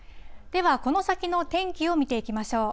では、この先の天気を見ていきましょう。